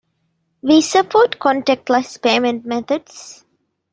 We support contactless payment methods.